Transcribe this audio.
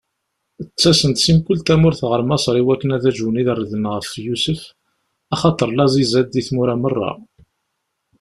Ttasen-d si mkul tamurt ɣer Maṣer iwakken ad aǧwen irden ɣef Yusef, axaṭer laẓ izad di tmura meṛṛa.